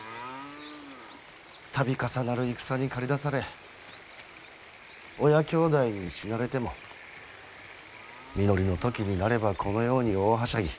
度重なる戦に駆り出され親兄弟に死なれても実りの時になればこのように大はしゃぎ。